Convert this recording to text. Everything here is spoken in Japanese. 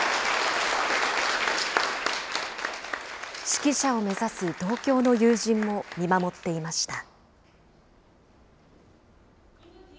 指揮者を目指す同郷の友人も見守っていました。